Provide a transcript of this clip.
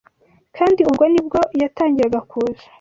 kandi ubwo ni bwo yatangiraga kuza